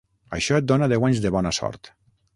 Això et dona deu anys de bona sort.